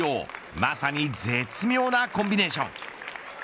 まさに絶妙なコンビネーション。